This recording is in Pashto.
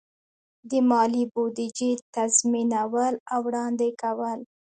د مالی بودیجې تنظیمول او وړاندې کول.